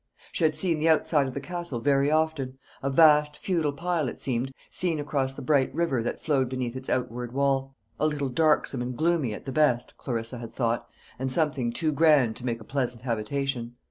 She had seen the outside of the Castle very often: a vast feudal pile it seemed, seen across the bright river that flowed beneath its outward wall a little darksome and gloomy at the best, Clarissa had thought, and something too grand to make a pleasant habitation.